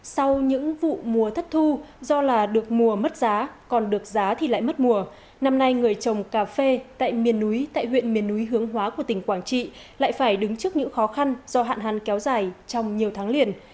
sau những vụ mùa thất thu do là được mùa mất giá còn được giá thì lại mất mùa năm nay người trồng cà phê tại miền núi tại huyện miền núi hướng hóa của tỉnh quảng trị lại phải đứng trước những khó khăn do hạn hán kéo dài trong nhiều tháng liền